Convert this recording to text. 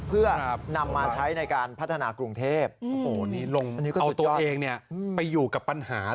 เพื่อนำมาใช้ในการพัฒนากรุงเทพฯ